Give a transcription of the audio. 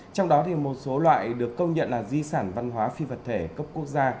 trong đó một số loại được công nhận là di sản văn hóa phi vật thể cấp quốc gia